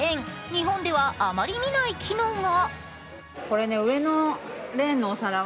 日本ではあまり見ない機能が。